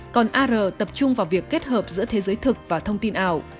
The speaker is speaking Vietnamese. còn ar tập trung vào việc kết hợp giữa thế giới thực và thông tin ảo